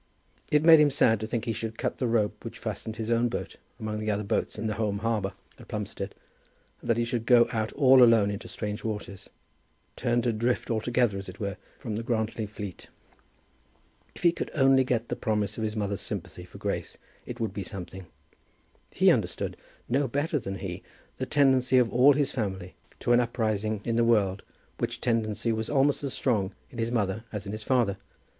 It made him sad to think that he should cut the rope which fastened his own boat among the other boats in the home harbour at Plumstead, and that he should go out all alone into strange waters, turned adrift altogether, as it were, from the Grantly fleet. If he could only get the promise of his mother's sympathy for Grace it would be something. He understood, no one better than he, the tendency of all his family to an uprising in the world, which tendency was almost as strong in his mother as in his father.